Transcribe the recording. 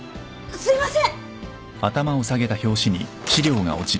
すいません。